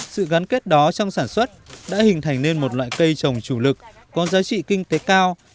sự gắn kết đó trong sản xuất đã hình thành nên một loại cây trồng chủ lực có giá trị kinh tế cao